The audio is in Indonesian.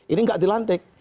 ini nggak dilantik